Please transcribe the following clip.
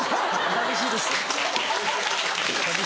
寂しいです。